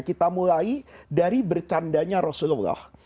kita mulai dari bercandanya rasulullah